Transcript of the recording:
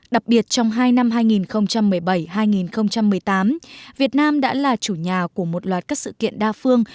đặc biệt trong hai năm hai nghìn một mươi bảy hai nghìn một mươi tám việt nam đã là chủ nhà của một loạt các sự kiện đa phương